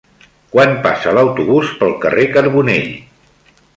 Quan passa l'autobús pel carrer Carbonell?